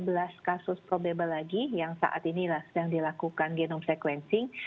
kita punya sebelas kasus probable lagi yang saat ini sedang dilakukan genome sequencing